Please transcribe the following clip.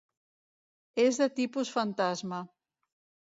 És de tipus fantasma.